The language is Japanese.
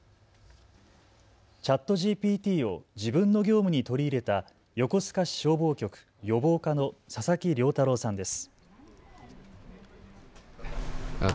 ＣｈａｔＧＰＴを自分の業務に取り入れた横須賀市消防局予防課の佐々木瞭太朗さんです。